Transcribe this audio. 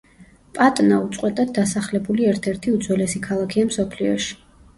პატნა უწყვეტად დასახლებული ერთ-ერთი უძველესი ქალაქია მსოფლიოში.